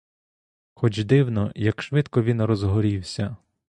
Хоч дивно, як швидко він розгорівся.